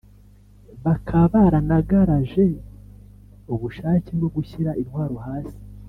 Bakaba baranagaraje ubushake bwo gushyira intwaro hasi